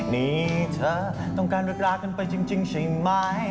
นี่เธอต้องการเวลากันไปจริงใช่ไหม